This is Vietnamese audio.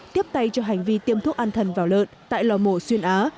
tiếp tay cho hành vi tiêm thuốc an thần vào lợn tại lò mổ xuyên á